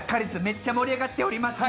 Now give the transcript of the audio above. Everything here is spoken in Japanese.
めっちゃ盛り上がっております